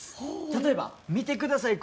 例えば見てください